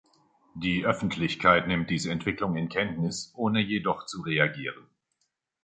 Die Öffentlichkeit nimmt diese Entwicklung in Kenntnis, ohne jedoch zu reagieren.